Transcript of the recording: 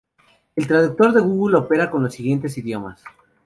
El Traductor de Google opera con los siguientes idiomas.